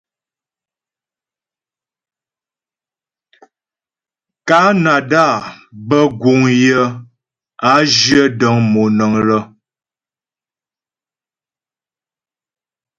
Kanada bə́ guŋ yə a zhyə dəŋ monəŋ lə́.